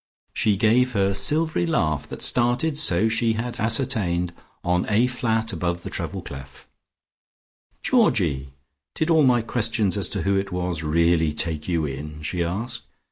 She gave her silvery laugh, that started, so she had ascertained, on A flat above the treble clef. "Georgino, did all my questions as to who it was really take you in?" she asked.